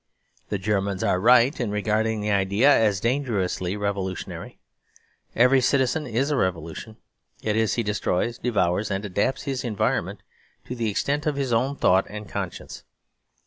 The Germans are right in regarding the idea as dangerously revolutionary. Every Citizen is a revolution. That is, he destroys, devours and adapts his environment to the extent of his own thought and conscience.